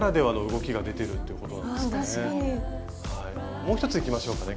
もう１ついきましょうかね。